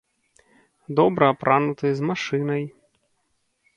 Добра апрануты, з машынай.